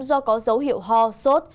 do có dấu hiệu ho sốt